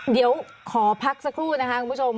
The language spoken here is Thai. เดี๋ยวขอพักสักครู่นะคะคุณผู้ชม